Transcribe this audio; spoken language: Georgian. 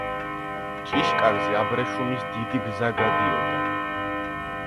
ჭიშკარზე აბრეშუმის დიდი გზა გადიოდა.